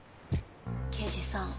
刑事さん